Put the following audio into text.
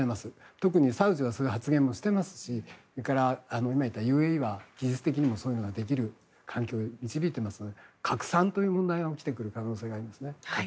特にサウジはそういう発言もしてますしそれからＵＡＥは技術的にもそういうことができる環境に導いていますので拡散という問題が起きてくる可能性があります。